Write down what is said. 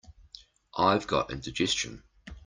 I've got indigestion.